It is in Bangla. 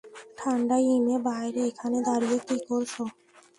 ঠাণ্ডায় হিমে বাইরে এখানে দাঁড়িয়ে কী করছ?